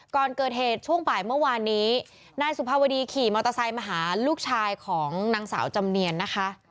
ก่อนเกิดเหตุช่วงบ่ายเมื่อวานนี้นายสุภาวดีขี่มอเตอร์ไซค์มาหาลูกชายของนางสาวจำเนียนนะคะ